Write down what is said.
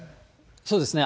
そうですね。